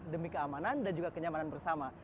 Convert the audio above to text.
demi keamanan dan juga kenyamanan bersama